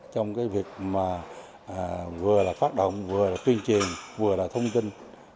trong cái việc mà vừa là phát động vừa là tuyên truyền vừa là thông tin